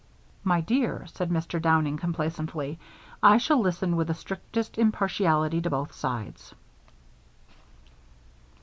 "My dear," said Mr. Downing, complacently, "I shall listen with the strictest impartiality to both sides."